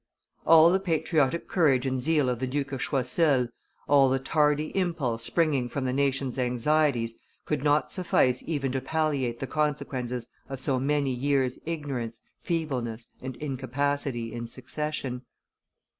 All the patriotic courage and zeal of the Duke of Choiseul, all the tardy impulse springing from the nation's anxieties, could not suffice even to palliate the consequences of so many years' ignorance, feebleness, and incapacity in succession.